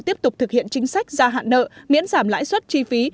tiếp tục thực hiện chính sách gia hạn nợ miễn giảm lãi suất chi phí